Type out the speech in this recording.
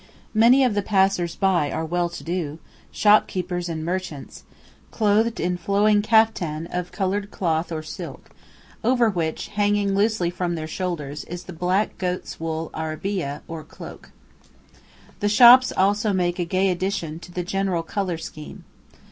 Many of the passers by are well to do, shop keepers and merchants, clothed in flowing "khaftan" of coloured cloth or silk, over which, hanging loosely from their shoulders, is the black goat's wool "arbiyeh," or cloak. The shops also make a gay addition to the general colour scheme.